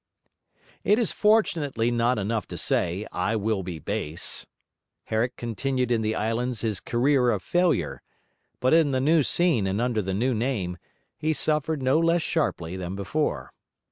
It is fortunately not enough to say 'I will be base.' Herrick continued in the islands his career of failure; but in the new scene and under the new name, he suffered no less sharply than before.